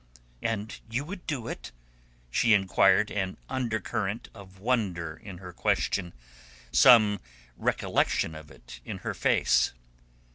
"And you would do it?" she inquired, an undercurrent of wonder in her question, some recollection of it in her face.